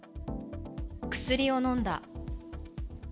薬を飲んだ。